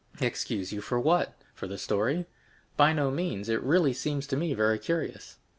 "Excuse you for what? For the story? By no means; it really seems to me very curious."